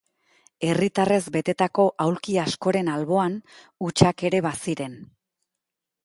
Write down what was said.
Herritarrez betetako aulki askoren alboan, hutsak ere baziren.